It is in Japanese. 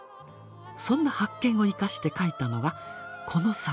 そんな発見を生かして書いたのがこの作品。